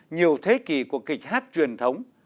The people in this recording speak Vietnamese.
nhiều thế kỷ của kịch hát truyền thống